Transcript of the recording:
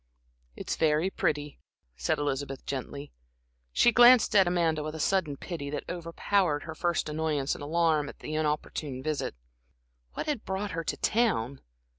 "It's very pretty," said Elizabeth, gently. She glanced at Amanda with a sudden pity that overpowered her first annoyance and alarm at the inopportune visit. What had brought her to town?